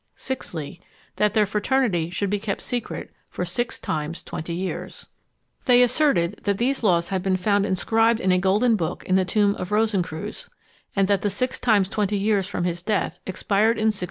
Sixthly. That their fraternity should be kept secret for six times twenty years. They asserted that these laws had been found inscribed in a golden book in the tomb of Rosencreutz, and that the six times twenty years from his death expired in 1604.